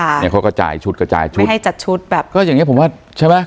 เนี้ยเขาก็จ่ายชุดกระจายชุดไม่ให้จัดชุดแบบก็อย่างเงี้ผมว่าใช่ไหม